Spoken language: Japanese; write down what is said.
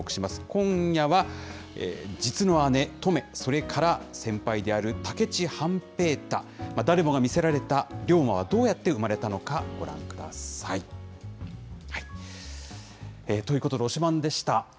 今夜は実の姉、乙女、それから先輩である武市半平太、誰もが魅せられた龍馬はどうやって生まれたのかご覧ください。ということで、推しバンでした。